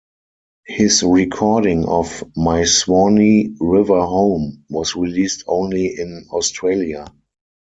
His recording of "My Swanee River Home" was released only in Australia.